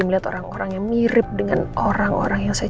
nomor yang anda percaya